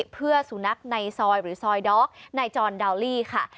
เพื่อสุนัขในซอยหรือซอยด๊อกในจอนดาวลี่ค่ะ